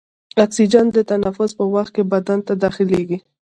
اکسیجن د تنفس په وخت کې بدن ته داخلیږي.